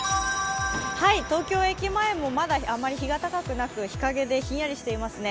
東京駅前もまだあまり日が高くなく日陰でひんやりしていますね。